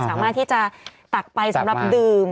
สามารถที่จะตักไปสำหรับดื่ม